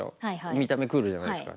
見た目クールじゃないですか。